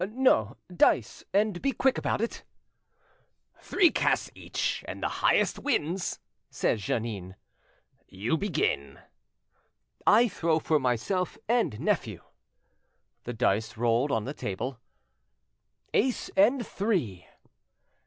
"No, dice; and be quick about it." "Three casts each and the highest wins," said Jeannin. "You begin." "I throw for myself and nephew." The dice rolled on the table. "Ace and three."